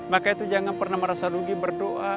maka itu jangan pernah merasa rugi berdoa